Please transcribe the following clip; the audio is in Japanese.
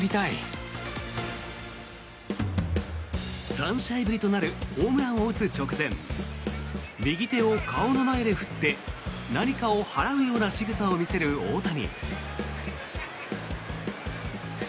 ３試合ぶりとなるホームランを打つ直前右手を顔の前で振って何かを払うようなしぐさを見せる大谷。